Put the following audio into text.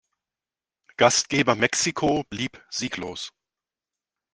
Gastgeber Mexiko blieb sieglos.